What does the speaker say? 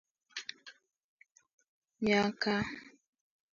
miaka mitano hii mhesimiwa huyu jakaya kikwete tunamwomba